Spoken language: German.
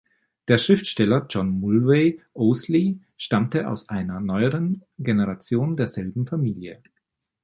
Der Schriftsteller John Mulvey Ousley stammte aus einer neueren Generation derselben Familie.